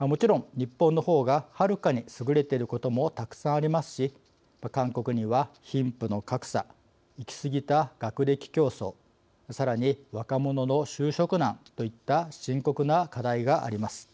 もちろん、日本の方がはるかに優れてることもたくさんありますし韓国には貧富の格差行き過ぎた学歴競争さらに若者の就職難といった深刻な課題があります。